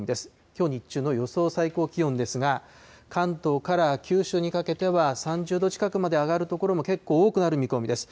きょう日中の予想最高気温ですが、関東から九州にかけては３０度近くまで上がる所も結構多くなる見込みです。